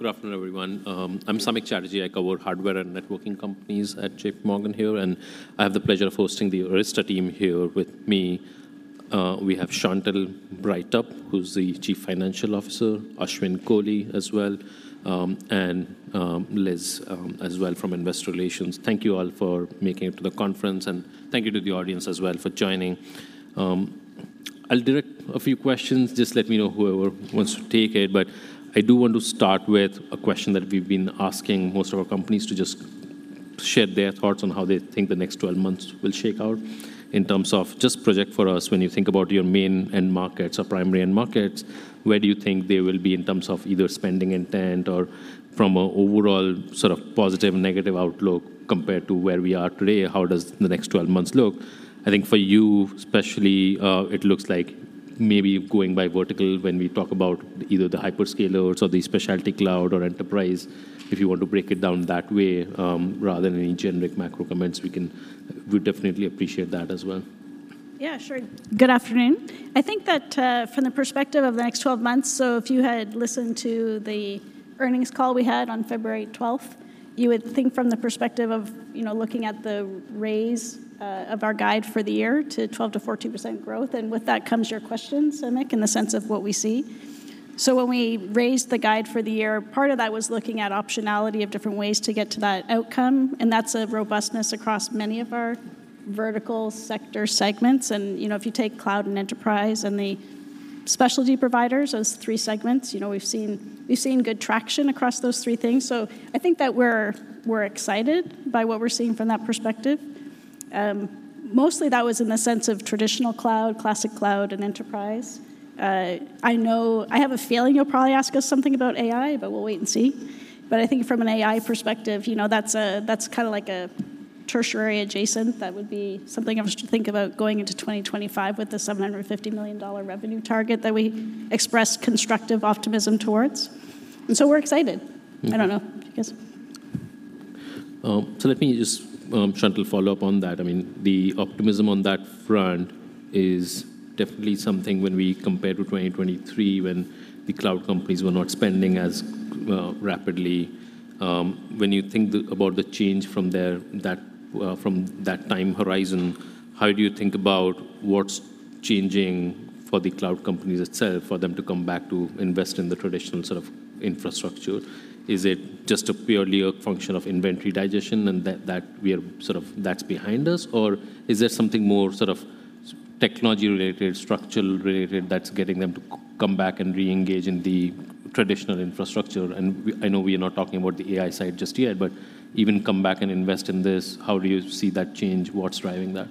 Good afternoon, everyone. I'm Samik Chatterjee. I cover hardware and networking companies at J.P. Morgan here, and I have the pleasure of hosting the Arista team here with me. We have Chantelle Breithaupt, who's the Chief Financial Officer, Ashwin Kohli as well, and Liz Stine as well from Investor Relations. Thank you all for making it to the conference, and thank you to the audience as well for joining. I'll direct a few questions. Just let me know whoever wants to take it, but I do want to start with a question that we've been asking most of our companies to just share their thoughts on how they think the next 12 months will shake out in terms of just project for us when you think about your main end markets or primary end markets, where do you think they will be in terms of either spending intent or from a overall sort of positive, negative outlook compared to where we are today? How does the next 12 months look? I think for you, especially, it looks like maybe going by vertical when we talk about either the hyperscalers or the specialty cloud or enterprise, if you want to break it down that way, rather than any generic macro comments, we'd definitely appreciate that as well. Yeah, sure. Good afternoon. I think that from the perspective of the next 12 months, so if you had listened to the earnings call we had on February twelfth, you would think from the perspective of, you know, looking at the raise of our guide for the year to 12%-14% growth, and with that comes your question, Samik, in the sense of what we see. So when we raised the guide for the year, part of that was looking at optionality of different ways to get to that outcome, and that's a robustness across many of our vertical sector segments. And, you know, if you take cloud and enterprise and the specialty providers, those three segments, you know, we've seen good traction across those three things. So I think that we're excited by what we're seeing from that perspective. Mostly that was in the sense of traditional cloud, classic cloud, and enterprise. I know... I have a feeling you'll probably ask us something about AI, but we'll wait and see. But I think from an AI perspective, you know, that's a, that's kinda like a tertiary adjacent. That would be something I want you to think about going into 2025 with the $750 million revenue target that we expressed constructive optimism towards. And so we're excited. Mm-hmm. I don't know. Because- So let me just, Chantelle, follow up on that. I mean, the optimism on that front is definitely something when we compare to 2023, when the cloud companies were not spending as rapidly. When you think about the change from there, from that time horizon, how do you think about what's changing for the cloud companies itself, for them to come back to invest in the traditional sort of infrastructure? Is it just purely a function of inventory digestion, and that we are sort of, that's behind us? Or is there something more sort of technology-related, structural-related, that's getting them to come back and re-engage in the traditional infrastructure? And we, I know we are not talking about the AI side just yet, but even come back and invest in this, how do you see that change? What's driving that?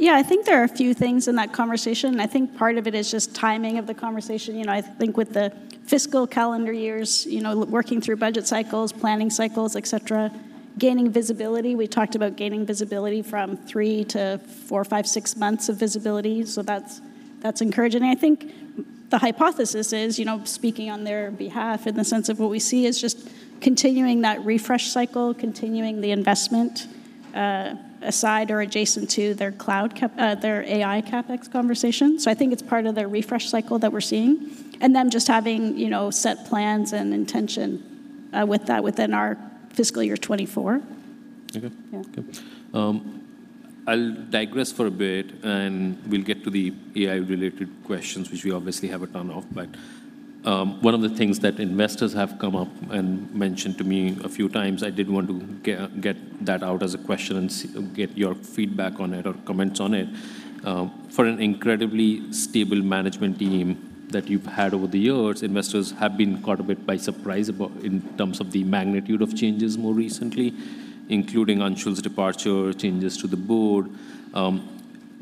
Yeah, I think there are a few things in that conversation. I think part of it is just timing of the conversation. You know, I think with the fiscal calendar years, you know, working through budget cycles, planning cycles, et cetera, gaining visibility. We talked about gaining visibility from three-four, five, six months of visibility, so that's encouraging. I think the hypothesis is, you know, speaking on their behalf in the sense of what we see, is just continuing that refresh cycle, continuing the investment, aside or adjacent to their cloud CapEx, their AI CapEx conversation. So I think it's part of their refresh cycle that we're seeing, and then just having, you know, set plans and intention with that within our fiscal year 2024. Okay. Yeah. Okay. I'll digress for a bit, and we'll get to the AI-related questions, which we obviously have a ton of. But one of the things that investors have come up and mentioned to me a few times, I did want to get that out as a question and get your feedback on it or comments on it. For an incredibly stable management team that you've had over the years, investors have been caught a bit by surprise about, in terms of the magnitude of changes more recently, including Anshul's departure, changes to the board.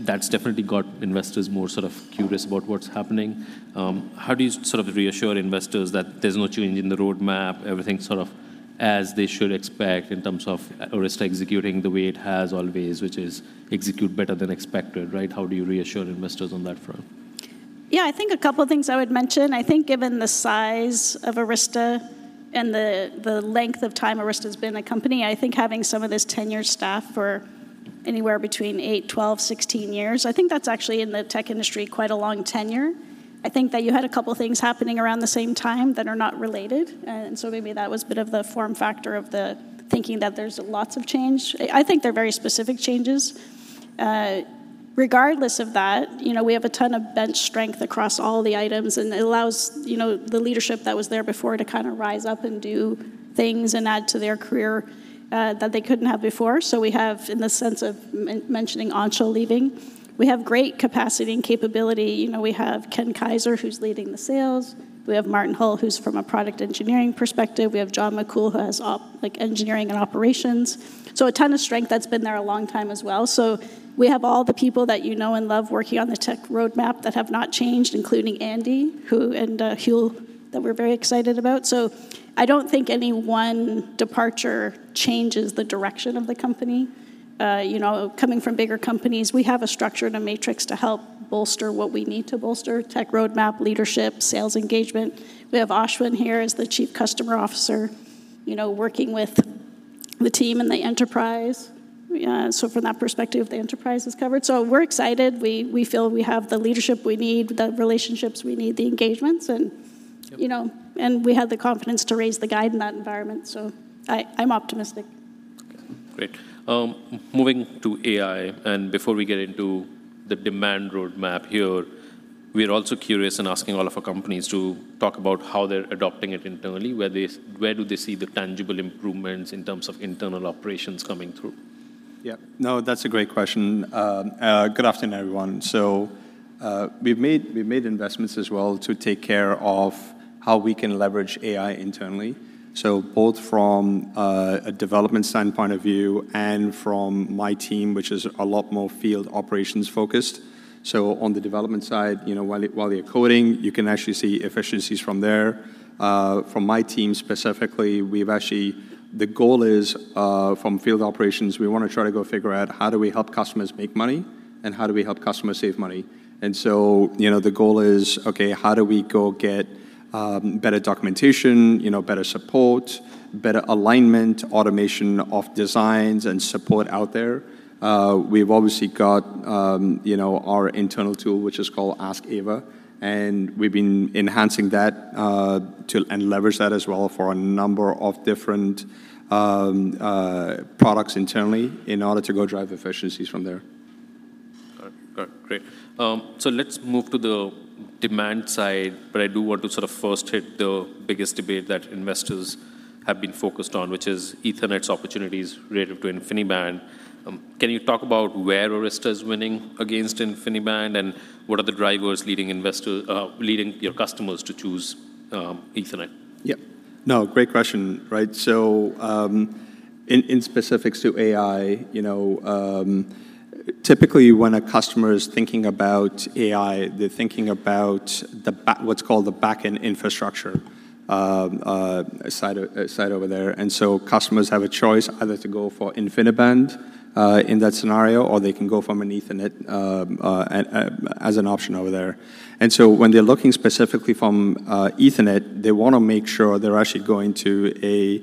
That's definitely got investors more sort of curious about what's happening. How do you sort of reassure investors that there's no change in the roadmap, everything sort of as they should expect in terms of Arista executing the way it has always, which is execute better than expected, right? How do you reassure investors on that front? Yeah. I think a couple things I would mention. I think given the size of Arista and the length of time Arista's been a company, I think having some of this tenure staff for anywhere between eight, 12, 16 years, I think that's actually, in the tech industry, quite a long tenure. I think that you had a couple things happening around the same time that are not related, and so maybe that was a bit of the form factor of the thinking that there's lots of change. I think they're very specific changes. Regardless of that, you know, we have a ton of bench strength across all the items, and it allows, you know, the leadership that was there before to kind of rise up and do things and add to their career, that they couldn't have before. So we have, in the sense of mentioning Anshul leaving, we have great capacity and capability. You know, we have Chris Schmidt, who's leading the sales. We have Martin Hull, who's from a product engineering perspective. We have John McCool, who has like, engineering and operations, so a ton of strength that's been there a long time as well. So we have all the people that you know and love working on the tech roadmap that have not changed, including Andy, who, and Hugh, that we're very excited about. So I don't think any one departure changes the direction of the company. You know, coming from bigger companies, we have a structure and a matrix to help bolster what we need to bolster: tech roadmap, leadership, sales engagement. We have Ashwin here as the Chief Customer Officer-... you know, working with the team and the enterprise. So from that perspective, the enterprise is covered. So we're excited. We feel we have the leadership we need, the relationships we need, the engagements, and- Yep. You know, and we have the confidence to raise the guide in that environment, so I'm optimistic. Okay, great. Moving to AI, and before we get into the demand roadmap here, we're also curious in asking all of our companies to talk about how they're adopting it internally, where do they see the tangible improvements in terms of internal operations coming through? Yeah. No, that's a great question. Good afternoon, everyone. So, we've made, we've made investments as well to take care of how we can leverage AI internally, so both from a development standpoint of view and from my team, which is a lot more field operations-focused. So on the development side, you know, while they're coding, you can actually see efficiencies from there. From my team specifically, we've actually... The goal is, from field operations, we wanna try to go figure out, how do we help customers make money, and how do we help customers save money? And so, you know, the goal is, okay, how do we go get better documentation, you know, better support, better alignment, automation of designs, and support out there? We've obviously got, you know, our internal tool, which is called Ask AVA, and we've been enhancing that and leverage that as well for a number of different products internally in order to go drive efficiencies from there. Great. So let's move to the demand side, but I do want to sort of first hit the biggest debate that investors have been focused on, which is Ethernet's opportunities relative to InfiniBand. Can you talk about where Arista is winning against InfiniBand, and what are the drivers leading your customers to choose Ethernet? Yeah. No, great question, right? So, in specifics to AI, you know, typically, when a customer is thinking about AI, they're thinking about the back-- what's called the backend infrastructure, side, side over there. And so customers have a choice either to go for InfiniBand, in that scenario, or they can go from an Ethernet, as an option over there. And so when they're looking specifically from Ethernet, they wanna make sure they're actually going to a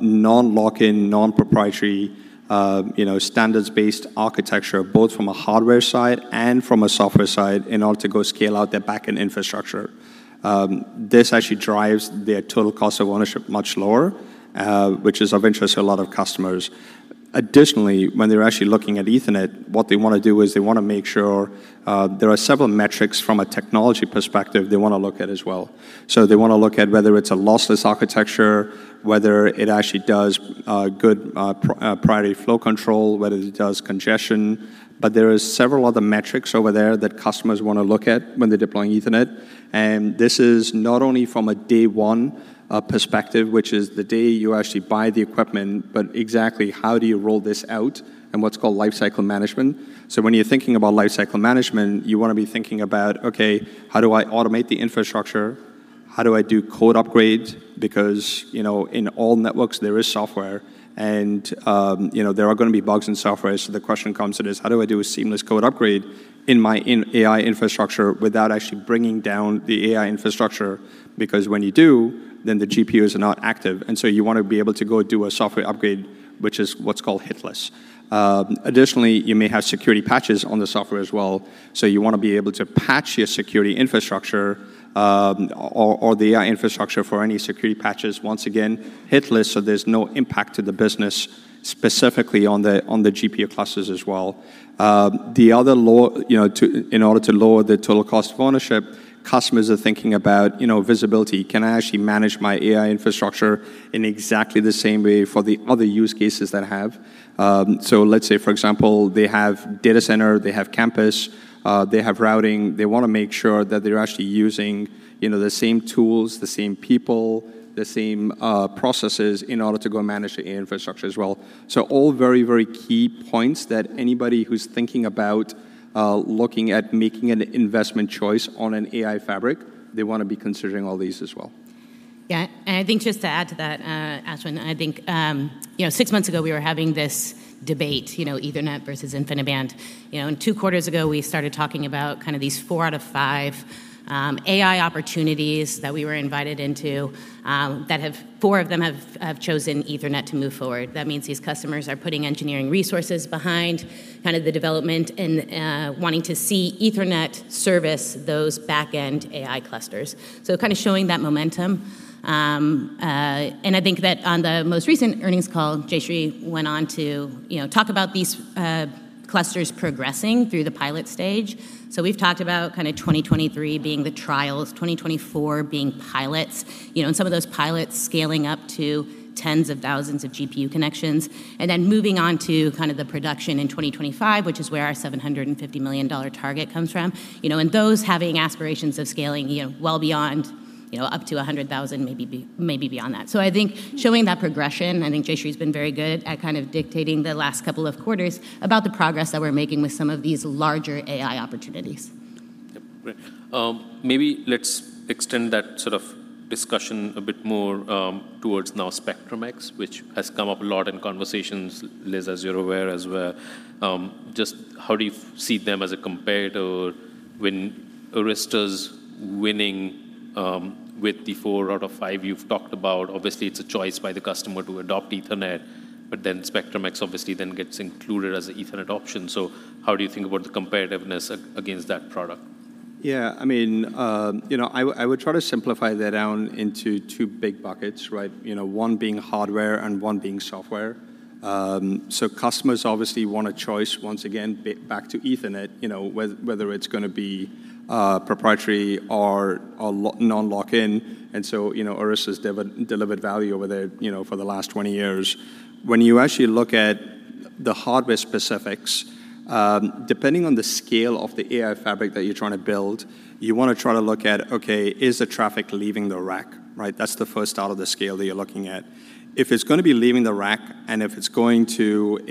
non-lock-in, non-proprietary, you know, standards-based architecture, both from a hardware side and from a software side, in order to go scale out their backend infrastructure. This actually drives their total cost of ownership much lower, which is of interest to a lot of customers. Additionally, when they're actually looking at Ethernet, what they wanna do is they wanna make sure there are several metrics from a technology perspective they wanna look at as well. So they wanna look at whether it's a lossless architecture, whether it actually does good priority flow control, whether it does congestion, but there are several other metrics over there that customers wanna look at when they're deploying Ethernet. And this is not only from a day one perspective, which is the day you actually buy the equipment, but exactly how do you roll this out in what's called lifecycle management. So when you're thinking about lifecycle management, you wanna be thinking about, okay, how do I automate the infrastructure? How do I do code upgrade? Because, you know, in all networks, there is software, and, you know, there are gonna be bugs in software. So the question comes to this: How do I do a seamless code upgrade in my AI infrastructure without actually bringing down the AI infrastructure? Because when you do, then the GPUs are not active, and so you want to be able to go do a software upgrade, which is what's called hitless. Additionally, you may have security patches on the software as well, so you wanna be able to patch your security infrastructure, or the infrastructure for any security patches, once again, hitless, so there's no impact to the business, specifically on the GPU clusters as well. The other low... You know, to, in order to lower the total cost of ownership, customers are thinking about, you know, visibility. Can I actually manage my AI infrastructure in exactly the same way for the other use cases that I have? So let's say, for example, they have data center, they have campus, they have routing. They wanna make sure that they're actually using, you know, the same tools, the same people, the same processes in order to go manage the infrastructure as well. So all very, very key points that anybody who's thinking about looking at making an investment choice on an AI fabric, they wanna be considering all these as well. Yeah, and I think just to add to that, Ashwin, I think, you know, six months ago, we were having this debate, you know, Ethernet versus InfiniBand. You know, and two quarters ago, we started talking about kind of these four out of five AI opportunities that we were invited into, that have—four of them have chosen Ethernet to move forward. That means these customers are putting engineering resources behind kind of the development and, wanting to see Ethernet service those backend AI clusters, so kind of showing that momentum. And I think that on the most recent earnings call, Jayshree went on to, you know, talk about these clusters progressing through the pilot stage. So we've talked about kind of 2023 being the trials, 2024 being pilots, you know, and some of those pilots scaling up to tens of thousands of GPU connections, and then moving on to kind of the production in 2025, which is where our $750 million target comes from. You know, and those having aspirations of scaling, you know, well beyond, you know, up to 100,000, maybe maybe beyond that. So I think showing that progression, I think Jayshree's been very good at kind of dictating the last couple of quarters about the progress that we're making with some of these larger AI opportunities. Yep, great. Maybe let's extend that sort of discussion a bit more towards now Spectrum-X, which has come up a lot in conversations, Liz, as you're aware as well. Just how do you see them as a competitor when Arista's winning with the four out of five you've talked about, obviously it's a choice by the customer to adopt Ethernet, but then Spectrum-X obviously then gets included as an Ethernet option. So how do you think about the competitiveness against that product? Yeah, I mean, you know, I would, I would try to simplify that down into two big buckets, right? You know, one being hardware and one being software. So customers obviously want a choice. Once again, back to Ethernet, you know, whether it's gonna be proprietary or non-lock-in, and so, you know, Arista's delivered value over there, you know, for the last 20 years. When you actually look at the hardware specifics, depending on the scale of the AI fabric that you're trying to build, you wanna try to look at, okay, is the traffic leaving the rack, right? That's the first out of the scale that you're looking at. If it's gonna be leaving the rack, and if it's going to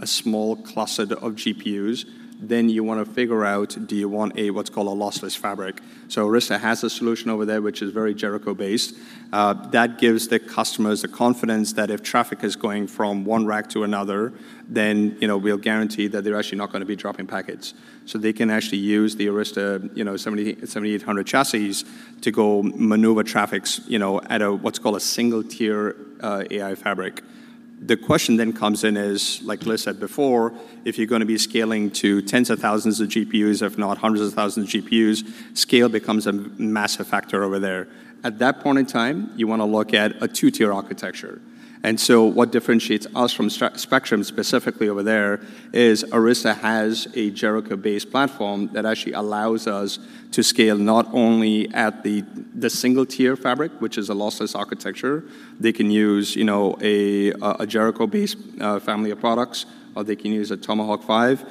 a small cluster of GPUs, then you wanna figure out, do you want a, what's called a lossless fabric? So Arista has a solution over there, which is very Jericho-based. That gives the customers the confidence that if traffic is going from one rack to another, then, you know, we'll guarantee that they're actually not gonna be dropping packets. So they can actually use the Arista, you know, 7700, 7800 chassis to go maneuver traffics, you know, at a, what's called a single-tier AI fabric. The question then comes in is, like Liz said before, if you're gonna be scaling to tens of thousands of GPUs, if not hundreds of thousands of GPUs, scale becomes a massive factor over there. At that point in time, you wanna look at a two-tier architecture. And so what differentiates us from Spectrum specifically over there is Arista has a Jericho-based platform that actually allows us to scale not only at the single-tier fabric, which is a lossless architecture. They can use, you know, a Jericho-based family of products, or they can use a Tomahawk 5,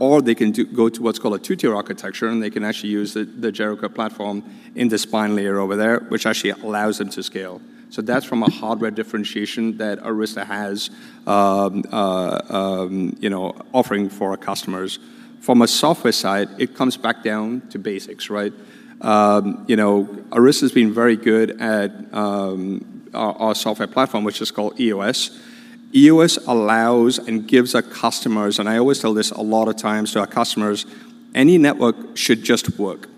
or they can go to what's called a two-tier architecture, and they can actually use the Jericho platform in the spine layer over there, which actually allows them to scale. So that's from a hardware differentiation that Arista has, you know, offering for our customers. From a software side, it comes back down to basics, right? You know, Arista's been very good at our software platform, which is called EOS. EOS allows and gives our customers... And I always tell this a lot of times to our customers, any network should just work.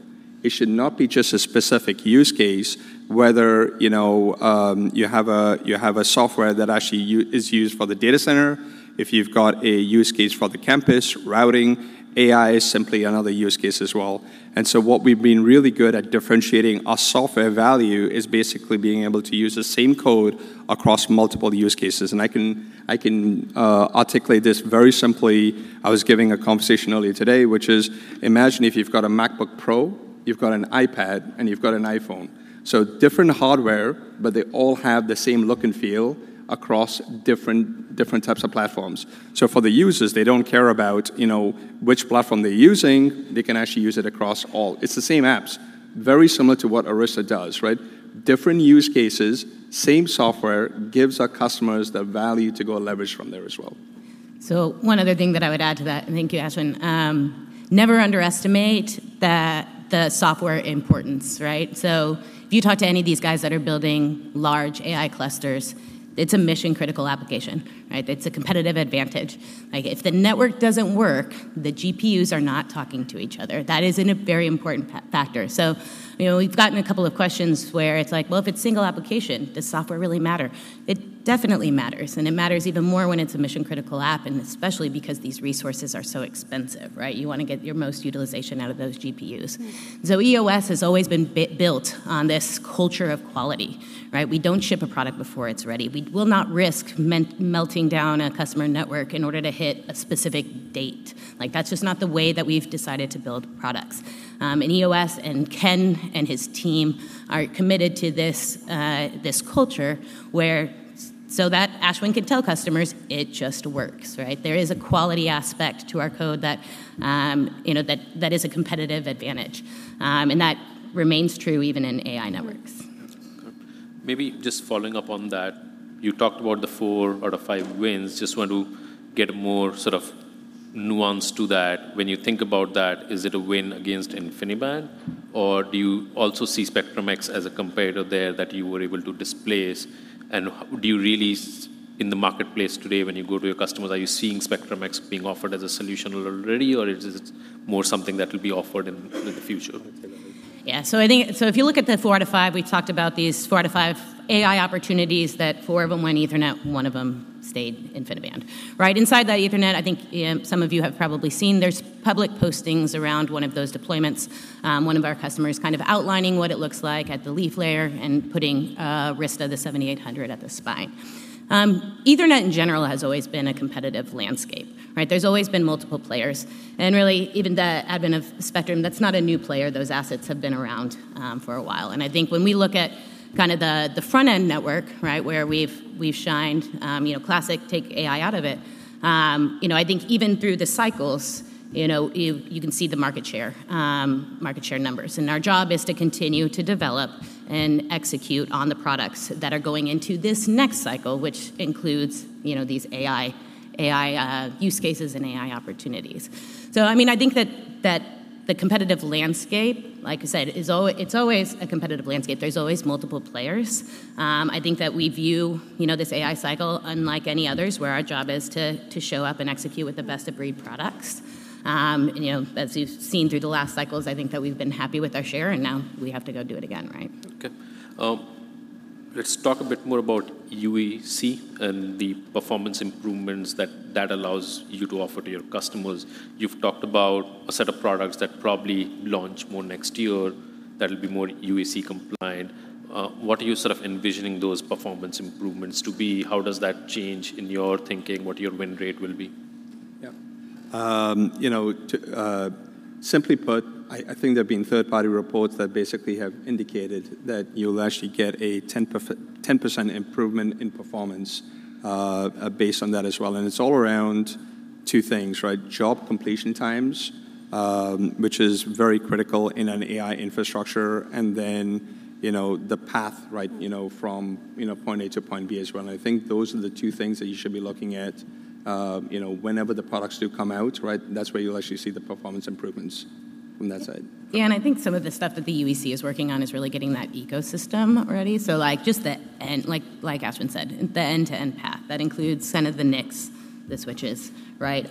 It should not be just a specific use case, whether, you know, you have a, you have a software that actually is used for the data center, if you've got a use case for the campus, routing, AI is simply another use case as well. And so what we've been really good at differentiating our software value is basically being able to use the same code across multiple use cases, and I can, I can, articulate this very simply. I was giving a conversation earlier today, which is, imagine if you've got a MacBook Pro, you've got an iPad, and you've got an iPhone. So different hardware, but they all have the same look and feel across different, different types of platforms. So for the users, they don't care about, you know, which platform they're using. They can actually use it across all. It's the same apps. Very similar to what Arista does, right? Different use cases, same software, gives our customers the value to go leverage from there as well. So one other thing that I would add to that, and thank you, Ashwin. Never underestimate the software importance, right? So if you talk to any of these guys that are building large AI clusters, it's a mission-critical application, right? It's a competitive advantage. Like, if the network doesn't work, the GPUs are not talking to each other. That is a very important factor. So, you know, we've gotten a couple of questions where it's like: Well, if it's single application, does software really matter? It definitely matters, and it matters even more when it's a mission-critical app, and especially because these resources are so expensive, right? You wanna get your most utilization out of those GPUs. Mm. So EOS has always been built on this culture of quality, right? We don't ship a product before it's ready. We will not risk melting down a customer network in order to hit a specific date. Like, that's just not the way that we've decided to build products. And EOS and Ken and his team are committed to this culture, where so that Ashwin can tell customers, "It just works," right? There is a quality aspect to our code that, you know, that is a competitive advantage, and that remains true even in AI networks. Okay. Maybe just following up on that, you talked about the four out of five wins. Just want to get more sort of nuance to that. When you think about that, is it a win against InfiniBand, or do you also see Spectrum-X as a competitor there that you were able to displace? And how do you really see in the marketplace today, when you go to your customers, are you seeing Spectrum-X being offered as a solution already, or is it more something that will be offered in the future? Yeah. So I think if you look at the four out of five, we've talked about these four out of five AI opportunities that four of them went Ethernet, one of them stayed InfiniBand. Right inside that Ethernet, I think, some of you have probably seen, there's public postings around one of those deployments, one of our customers kind of outlining what it looks like at the leaf layer and putting Arista 7800 at the spine. Ethernet in general has always been a competitive landscape, right? There's always been multiple players, and really, even the advent of Spectrum, that's not a new player. Those assets have been around for a while. I think when we look at kind of the front-end network, right, where we've shined, you know, classic, take AI out of it, you know, I think even through the cycles, you know, you can see the market share, market share numbers. Our job is to continue to develop and execute on the products that are going into this next cycle, which includes, you know, these AI, AI use cases and AI opportunities. So I mean, I think that the competitive landscape, like I said, is, it's always a competitive landscape. There's always multiple players. I think that we view, you know, this AI cycle unlike any others, where our job is to show up and execute with the best-of-breed products. And, you know, as you've seen through the last cycles, I think that we've been happy with our share, and now we have to go do it again, right? Okay. Let's talk a bit more about UEC and the performance improvements that that allows you to offer to your customers. You've talked about a set of products that probably launch more next year that'll be more UEC compliant. What are you sort of envisioning those performance improvements to be? How does that change in your thinking, what your win rate will be? Yeah. You know, to simply put, I think there have been third-party reports that basically have indicated that you'll actually get a 10% improvement in performance, based on that as well, and it's all around two things, right? Job completion times, which is very critical in an AI infrastructure, and then, you know, the path, right, you know, from, you know, point A to point B as well. And I think those are the two things that you should be looking at, you know, whenever the products do come out, right? That's where you'll actually see the performance improvements from that side. Yeah, and I think some of the stuff that the UEC is working on is really getting that ecosystem ready. So, like, just the end, like Ashwin said, the end-to-end path. That includes some of the NICs, the switches, right?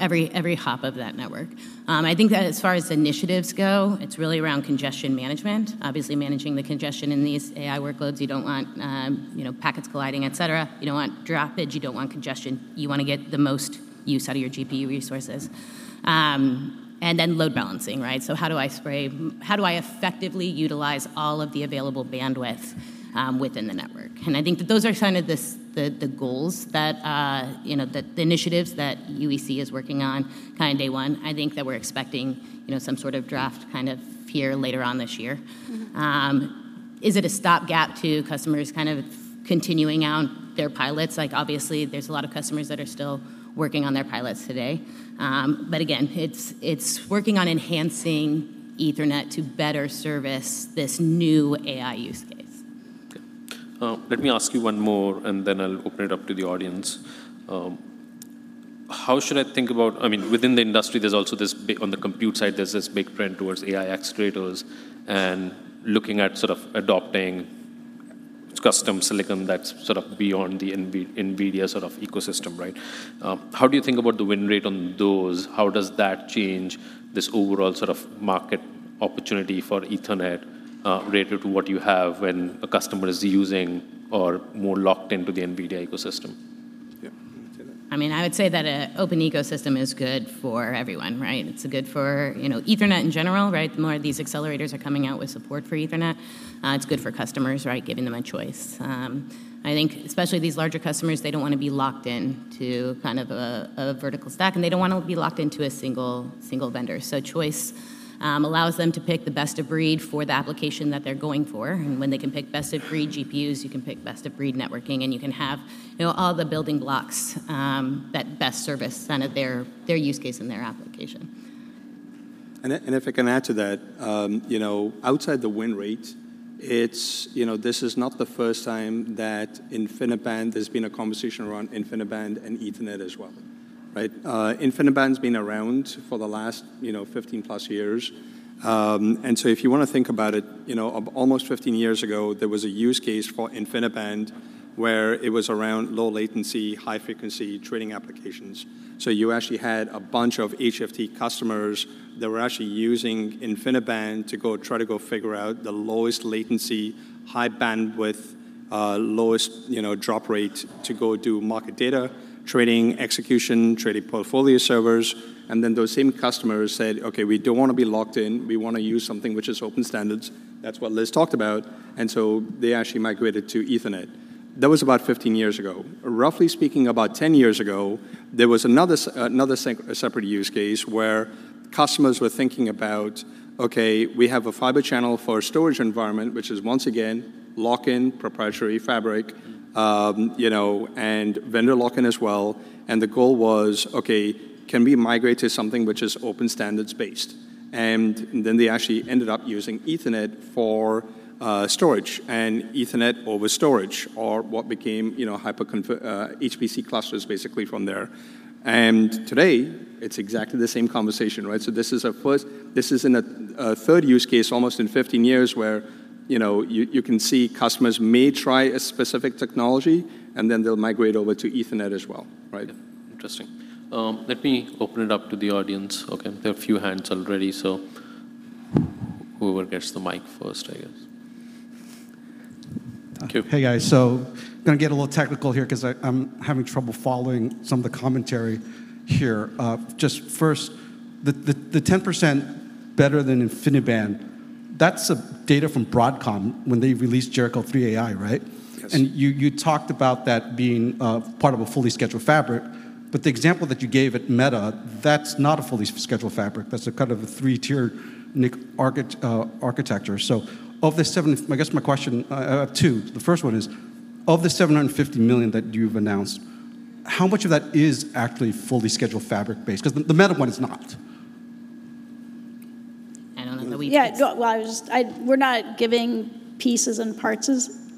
Every hop of that network. I think that as far as initiatives go, it's really around congestion management. Obviously, managing the congestion in these AI workloads, you don't want, you know, packets colliding, et cetera. You don't want droppage. You don't want congestion. You wanna get the most use out of your GPU resources. And then load balancing, right? So how do I spray... How do I effectively utilize all of the available bandwidth within the network? I think that those are kind of the goals that, you know, the initiatives that UEC is working on kind of day one. I think that we're expecting, you know, some sort of draft kind of here later on this year. Mm-hmm. Is it a stopgap to customers kind of continuing out their pilots? Like, obviously, there's a lot of customers that are still working on their pilots today. But again, it's working on enhancing Ethernet to better service this new AI use case. Okay. Let me ask you one more, and then I'll open it up to the audience. How should I think about, I mean, within the industry, there's also this big, on the compute side, there's this big trend towards AI accelerators and looking at sort of adopting custom silicon that's sort of beyond the NVIDIA sort of ecosystem, right? How do you think about the win rate on those? How does that change this overall sort of market opportunity for Ethernet, related to what you have when a customer is using or more locked into the NVIDIA ecosystem? Yeah, you take it. I mean, I would say that an open ecosystem is good for everyone, right? It's good for, you know, Ethernet in general, right? The more these accelerators are coming out with support for Ethernet. It's good for customers, right? Giving them a choice. I think especially these larger customers, they don't wanna be locked in to kind of a vertical stack, and they don't wanna be locked into a single vendor. So choice allows them to pick the best of breed for the application that they're going for, and when they can pick best of breed GPUs, you can pick best of breed networking, and you can have, you know, all the building blocks that best service kind of their use case and their application. And if I can add to that, you know, outside the win rate, it's, you know, this is not the first time that InfiniBand... There's been a conversation around InfiniBand and Ethernet as well, right? InfiniBand's been around for the last, you know, 15-+ years. And so if you wanna think about it, you know, almost 15 years ago, there was a use case for InfiniBand, where it was around low latency, high frequency trading applications. So you actually had a bunch of HFT customers that were actually using InfiniBand to go try to go figure out the lowest latency, high bandwidth, lowest, you know, drop rate to go do market data, trading execution, trading portfolio servers. And then those same customers said: "Okay, we don't wanna be locked in. We wanna use something which is open standards." That's what Liz talked about, and so they actually migrated to Ethernet. That was about 15 years ago. Roughly speaking, about 10 years ago, there was another separate use case where customers were thinking about, "Okay, we have a Fibre Channel for storage environment," which is, once again, lock-in, proprietary fabric, you know, and vendor lock-in as well. And the goal was, "Okay, can we migrate to something which is open standards based?" And then they actually ended up using Ethernet for storage and Ethernet over storage, or what became, you know, HPC clusters, basically from there. And today, it's exactly the same conversation, right? So this is a first. This is in a third use case, almost in 15 years, where, you know, you can see customers may try a specific technology, and then they'll migrate over to Ethernet as well, right? Interesting. Let me open it up to the audience. Okay, there are a few hands already, so whoever gets the mic first, I guess. Thank you. Hey, guys. So gonna get a little technical here 'cause I'm having trouble following some of the commentary here. Just first, the 10% better than InfiniBand, that's a data from Broadcom when they released Jericho3-AI, right? Yes. And you talked about that being part of a fully scheduled fabric, but the example that you gave at Meta, that's not a fully scheduled fabric. That's a kind of a three-tier NIC architecture. So of the seven... I guess my question, I have two. The first one is, of the $750 million that you've announced, how much of that is actually fully scheduled fabric-based? 'Cause the, the Meta one is not. I don't know. Well, we're not giving pieces and parts,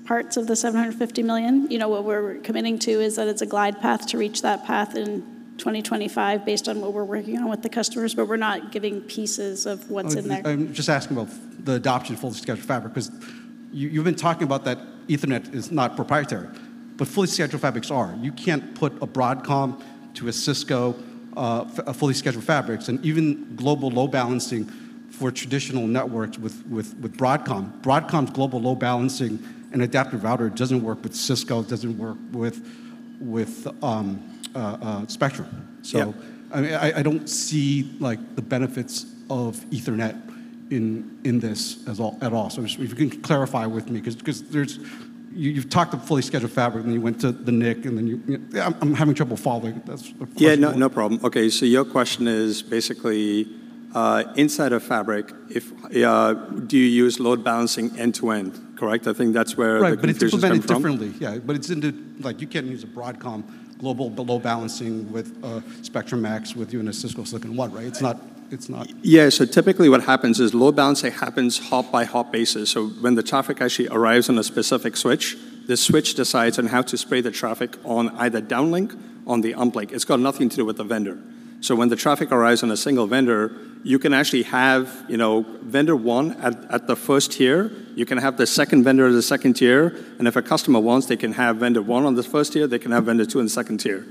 parts of the $750 million. You know, what we're committing to is that it's a glide path to reach that path in 2025, based on what we're working on with the customers, but we're not giving pieces of what's in there. I'm just asking about the adoption of fully scheduled fabric, 'cause you've been talking about that Ethernet is not proprietary... but fully scheduled fabrics are. You can't put a Broadcom to a Cisco, a fully scheduled fabrics, and even global load balancing for traditional networks with Broadcom. Broadcom's global load balancing and adaptive router doesn't work with Cisco, it doesn't work with Spectrum. Yeah. So, I mean, I don't see, like, the benefits of Ethernet in this at all. So just if you can clarify with me, 'cause there's—you've talked of fully scheduled fabric, and then you went to the NIC, and then you... I'm having trouble following. That's the question. Yeah, no, no problem. Okay, so your question is basically, inside a fabric, if, do you use load balancing end-to-end? Correct. I think that's where the confusion is coming from. Right, but it's implemented differently. Yeah, but it's into, like, you can't use a Broadcom global load balancing with a Spectrum-X with you and a Cisco Silicon One, right? It's not, it's not- Yeah, so typically what happens is load balancing happens hop-by-hop basis. So when the traffic actually arrives on a specific switch, the switch decides on how to spray the traffic on either downlink or on the uplink. It's got nothing to do with the vendor. So when the traffic arrives on a single vendor, you can actually have, you know, vendor one at, at the first tier, you can have the second vendor at the second tier, and if a customer wants, they can have vendor one on the first tier, they can have vendor two on the second tier.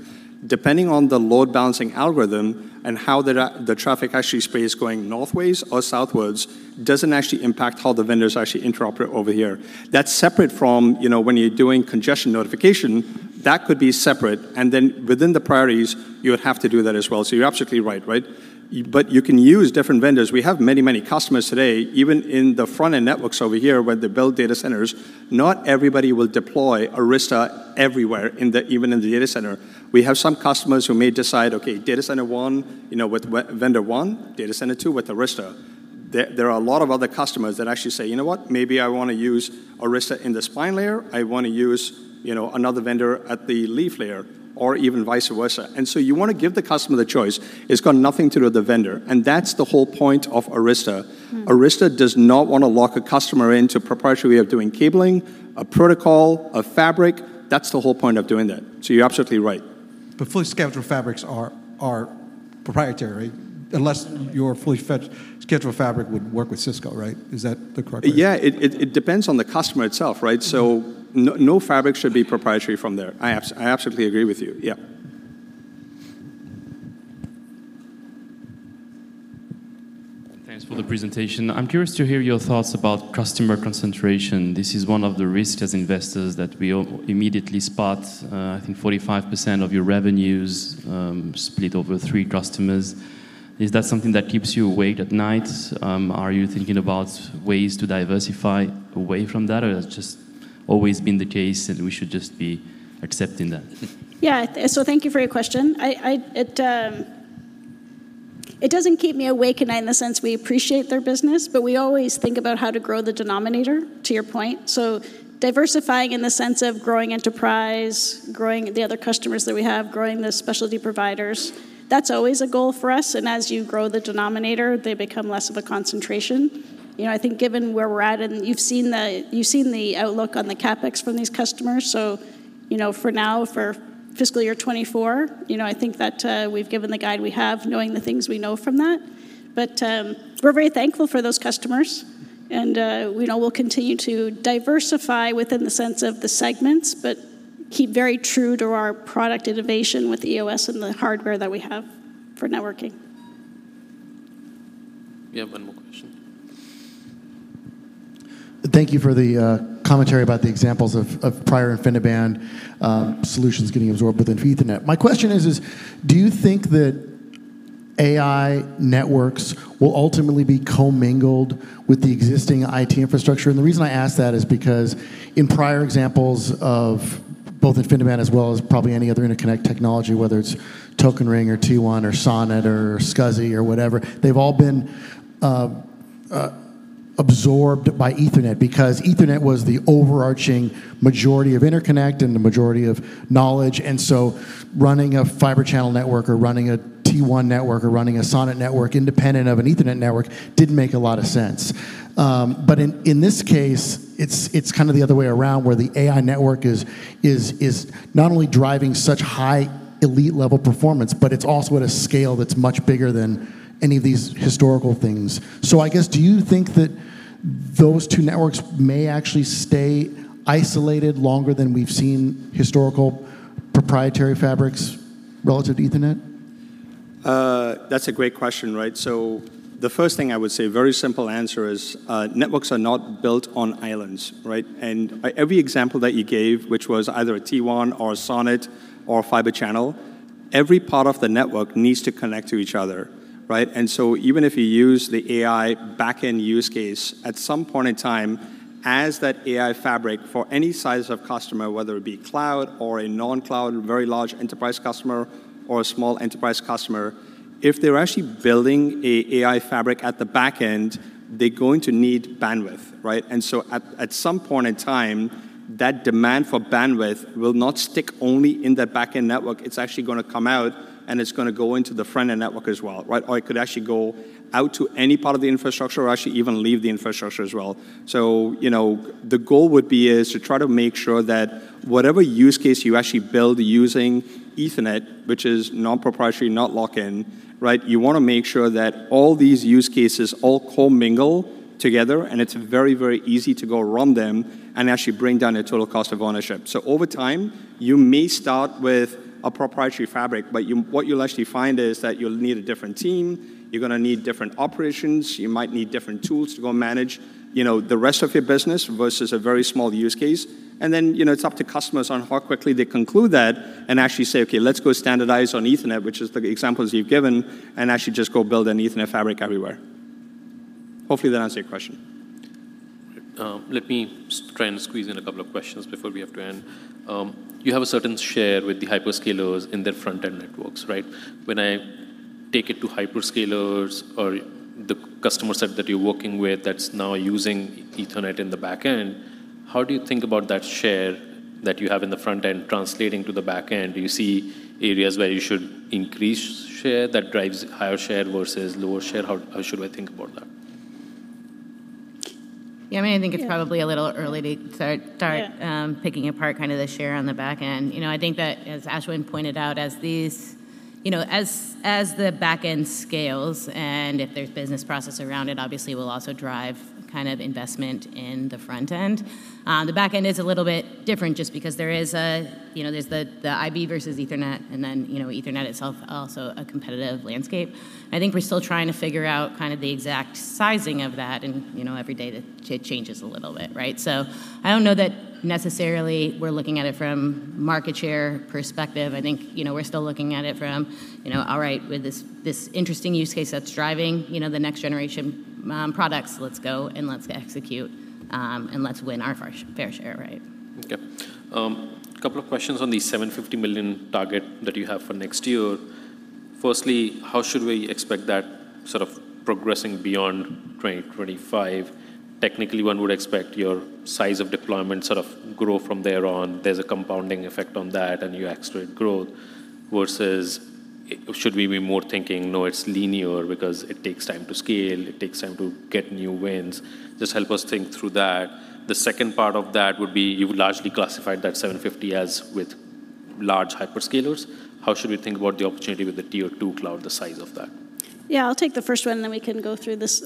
Depending on the load balancing algorithm and how the, the traffic actually sprays going northbound or southbound, doesn't actually impact how the vendors actually interoperate over here. That's separate from, you know, when you're doing congestion notification, that could be separate, and then within the priorities, you would have to do that as well. So you're absolutely right, right? But you can use different vendors. We have many, many customers today, even in the front-end networks over here, where they build data centers, not everybody will deploy Arista everywhere in the, even in the data center. We have some customers who may decide, okay, data center one, you know, with vendor one, data center two with Arista. There are a lot of other customers that actually say, "You know what? Maybe I wanna use Arista in the spine layer. I wanna use, you know, another vendor at the leaf layer, or even vice versa." And so you want to give the customer the choice. It's got nothing to do with the vendor, and that's the whole point of Arista. Hmm. Arista does not want to lock a customer into a proprietary way of doing cabling, a protocol, a fabric. That's the whole point of doing that. So you're absolutely right. But fully scheduled fabrics are proprietary, unless your fully scheduled fabric would work with Cisco, right? Is that the correct way? Yeah, it depends on the customer itself, right? Mm-hmm. No, no fabric should be proprietary from there. I absolutely agree with you. Yeah. Thanks for the presentation. I'm curious to hear your thoughts about customer concentration. This is one of the risks as investors that we all immediately spot. I think 45% of your revenues, split over three customers. Is that something that keeps you awake at night? Are you thinking about ways to diversify away from that, or that's just always been the case, and we should just be accepting that? Yeah. So thank you for your question. It doesn't keep me awake at night in the sense we appreciate their business, but we always think about how to grow the denominator, to your point. So diversifying in the sense of growing enterprise, growing the other customers that we have, growing the specialty providers, that's always a goal for us, and as you grow the denominator, they become less of a concentration. You know, I think given where we're at, and you've seen the, you've seen the outlook on the CapEx from these customers, so, you know, for now, for fiscal year 2024, you know, I think that we've given the guide we have, knowing the things we know from that. We're very thankful for those customers, and we know we'll continue to diversify within the sense of the segments, but keep very true to our product innovation with EOS and the hardware that we have for networking. We have one more question. Thank you for the commentary about the examples of prior InfiniBand solutions getting absorbed within Ethernet. My question is, do you think that AI networks will ultimately be co-mingled with the existing IT infrastructure? The reason I ask that is because in prior examples of both InfiniBand, as well as probably any other interconnect technology, whether it's Token Ring or T1 or SONET or SCSI or whatever, they've all been absorbed by Ethernet, because Ethernet was the overarching majority of interconnect and the majority of knowledge. So running a Fibre Channel network or running a T1 network or running a SONET network independent of an Ethernet network didn't make a lot of sense. But in this case, it's kind of the other way around, where the AI network is not only driving such high elite-level performance, but it's also at a scale that's much bigger than any of these historical things. So I guess, do you think that those two networks may actually stay isolated longer than we've seen historical proprietary fabrics relative to Ethernet? That's a great question, right? So the first thing I would say, very simple answer is, networks are not built on islands, right? And every example that you gave, which was either a T1 or a SONET or a fiber channel, every part of the network needs to connect to each other, right? And so even if you use the AI back-end use case, at some point in time, as that AI fabric, for any size of customer, whether it be cloud or a non-cloud, very large enterprise customer or a small enterprise customer, if they're actually building a AI fabric at the back end, they're going to need bandwidth, right? And so at some point in time, that demand for bandwidth will not stick only in that back-end network. It's actually gonna come out, and it's gonna go into the front-end network as well, right? Or it could actually go out to any part of the infrastructure or actually even leave the infrastructure as well. So, you know, the goal would be is to try to make sure that whatever use case you actually build using Ethernet, which is non-proprietary, not lock-in, right? You wanna make sure that all these use cases all co-mingle together, and it's very, very easy to go run them and actually bring down the total cost of ownership. So over time, you may start with a proprietary fabric, but you, what you'll actually find is that you'll need a different team, you're gonna need different operations, you might need different tools to go manage, you know, the rest of your business versus a very small use case. And then, you know, it's up to customers on how quickly they conclude that and actually say, "Okay, let's go standardize on Ethernet," which is the examples you've given, and actually just go build an Ethernet fabric everywhere.... Hopefully that answers your question. Let me try and squeeze in a couple of questions before we have to end. You have a certain share with the hyperscalers in their front-end networks, right? When I take it to hyperscalers or the customer set that you're working with that's now using Ethernet in the back end, how do you think about that share that you have in the front end translating to the back end? Do you see areas where you should increase share that drives higher share versus lower share? How should we think about that? Yeah, I mean, I think it's probably a little early to start- Yeah... start, picking apart kind of the share on the back end. You know, I think that, as Ashwin pointed out, as these, you know, as, as the back end scales, and if there's business process around it, obviously will also drive kind of investment in the front end. The back end is a little bit different just because there is a, you know, there's the, the IB versus Ethernet, and then, you know, Ethernet itself also a competitive landscape. I think we're still trying to figure out kind of the exact sizing of that, and, you know, every day that changes a little bit, right? So I don't know that necessarily we're looking at it from market share perspective. I think, you know, we're still looking at it from, you know, all right, with this, this interesting use case that's driving, you know, the next generation products, let's go and let's execute, and let's win our fair share, right? Okay. A couple of questions on the $750 million target that you have for next year. Firstly, how should we expect that sort of progressing beyond 2025? Technically, one would expect your size of deployment sort of grow from there on. There's a compounding effect on that, and you accelerate growth. Versus should we be more thinking, no, it's linear because it takes time to scale, it takes time to get new wins? Just help us think through that. The second part of that would be, you largely classified that $750 as with large hyperscalers. How should we think about the opportunity with the tier two cloud, the size of that? Yeah, I'll take the first one, and then we can go through this.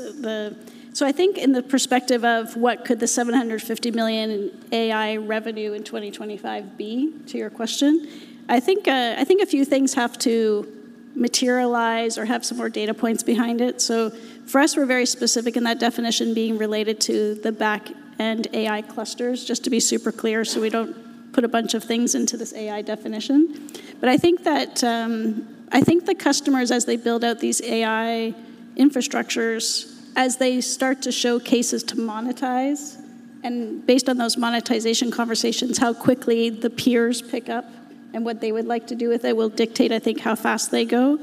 So I think in the perspective of what could the $750 million in AI revenue in 2025 be, to your question, I think, I think a few things have to materialize or have some more data points behind it. So for us, we're very specific in that definition being related to the back-end AI clusters, just to be super clear, so we don't put a bunch of things into this AI definition. But I think that, I think the customers, as they build out these AI infrastructures, as they start to showcases to monetize, and based on those monetization conversations, how quickly the peers pick up and what they would like to do with it, will dictate, I think, how fast they go.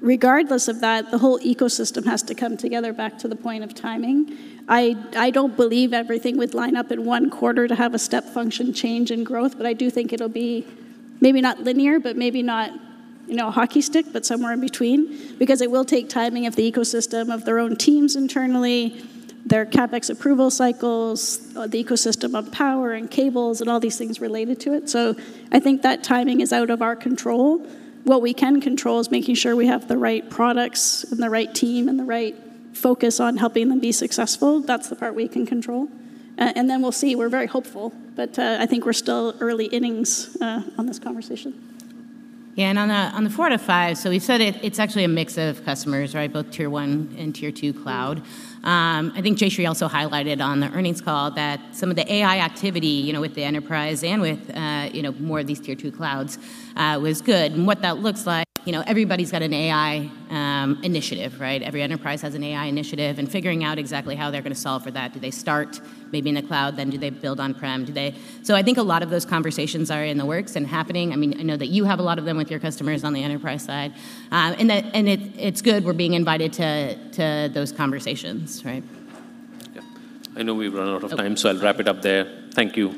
Regardless of that, the whole ecosystem has to come together back to the point of timing. I don't believe everything would line up in one quarter to have a step function change in growth, but I do think it'll be maybe not linear, but maybe not, you know, a hockey stick, but somewhere in between. Because it will take timing of the ecosystem, of their own teams internally, their CapEx approval cycles, the ecosystem of power and cables and all these things related to it. So I think that timing is out of our control. What we can control is making sure we have the right products and the right team and the right focus on helping them be successful. That's the part we can control. And then we'll see. We're very hopeful, but, I think we're still early innings, on this conversation. Yeah, and on the, on the four out of five, so we've said it, it's actually a mix of customers, right? Both tier one and tier two cloud. I think Jayshree also highlighted on the earnings call that some of the AI activity, you know, with the enterprise and with, you know, more of these tier two clouds, was good. And what that looks like, you know, everybody's got an AI initiative, right? Every enterprise has an AI initiative, and figuring out exactly how they're gonna solve for that. Do they start maybe in the cloud, then do they build on-prem? So I think a lot of those conversations are in the works and happening. I mean, I know that you have a lot of them with your customers on the enterprise side. And it’s good we’re being invited to those conversations, right? Yeah. I know we've run out of time- Okay. So I'll wrap it up there. Thank you.